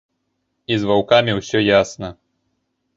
І з ваўкамі ўсё ясна.